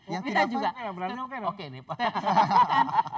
yang tidak fine berarti oke dong